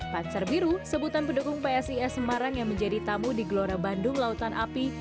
pansar biru sebutan pendukung psis semarang yang menjadi tamu di gelora bandung lautan api